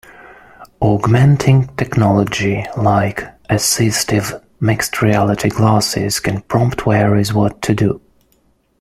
Augmenting technology like assistive mixed reality glasses can prompt wearers what to do.